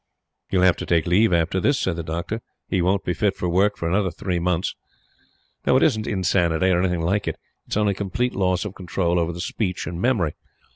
"He'll have to take leave after this," said the Doctor. "He won't be fit for work for another three months. No; it isn't insanity or anything like it. It's only complete loss of control over the speech and memory.